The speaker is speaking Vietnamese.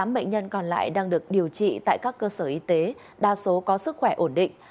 tám bệnh nhân còn lại đang được điều trị tại các cơ sở y tế đa số có sức khỏe ổn định